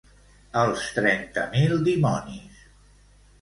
Els trenta mil dimonis.